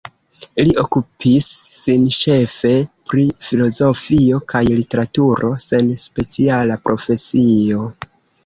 Li okupis sin ĉefe pri filozofio kaj literaturo, sen speciala profesio.